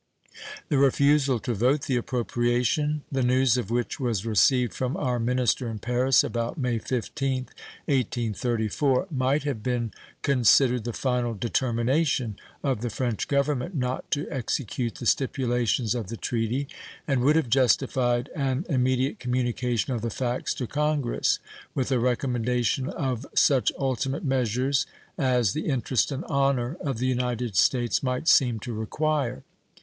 The refusal to vote the appropriation, the news of which was received from our minister in Paris about May 15th, 1834, might have been considered the final determination of the French Government not to execute the stipulations of the treaty, and would have justified an immediate communication of the facts to Congress, with a recommendation of such ultimate measures as the interest and honor of the United States might seem to require.